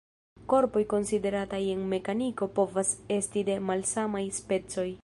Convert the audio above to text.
Korpoj konsiderataj en mekaniko povas esti de malsamaj specoj.